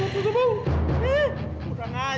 tidak tidak tidak tidak bau